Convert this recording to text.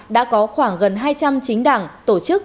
đã có khoảng gần hai trăm linh chính đảng tổ chức